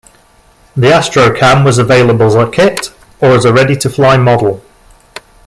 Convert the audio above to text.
The Astrocam was available as kit, or as ready-to-fly model.